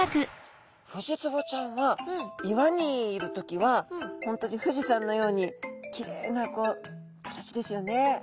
フジツボちゃんは岩にいる時は本当に富士山のようにきれいなこう形ですよね。